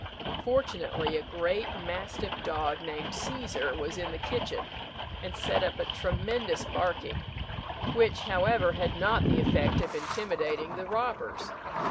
Fortunately a great mastiff dog, named Cæsar, was in the kitchen, and set up a tremendous barking, which, however, had not the effect of intimidating the robbers.